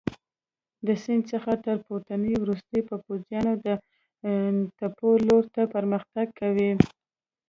د سیند څخه تر پورېوتو وروسته به پوځیان د تپو لور ته پرمختګ کوي.